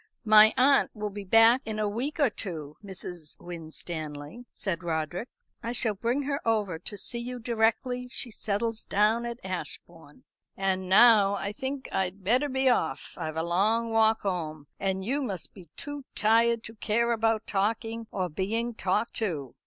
"My aunt will be back in a week or two, Mrs. Winstanley," said Roderick. "I shall bring her over to see you directly she settles down at Ashbourne. And now I think I'd better be off; I've a long walk home, and you must be too tired to care about talking or being talked to."